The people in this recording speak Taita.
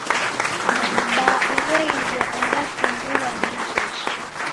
M'baa oreinjwa ondapindulwa ni ijeshi.